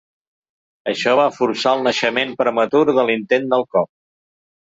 Això va forçar el naixement prematur de l’intent del cop.